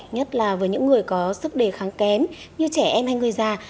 nhất là với những người có sức đề kháng kém như trẻ em hay người già